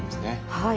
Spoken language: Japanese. はい。